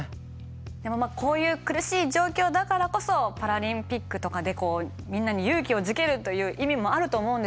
でもこういう苦しい状況だからこそパラリンピックとかでみんなに勇気をづけるという意味もあると思うんですけども。